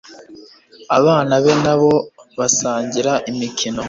abana be nabo basangira imikino